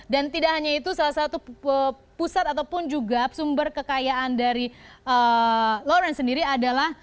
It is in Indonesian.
dan tidak hanya itu salah satu pusat ataupun juga sumber kekayaan dari lawrence sendiri adalah